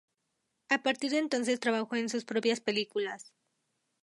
A partir de entonces trabajó en sus propias películas.